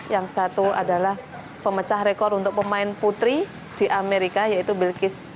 yang satu adalah pemecah rekor untuk pemain putri di amerika yaitu bilkis